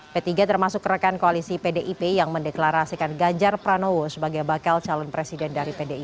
p tiga termasuk rekan koalisi pdip yang mendeklarasikan ganjar pranowo sebagai bakal calon presiden dari pdip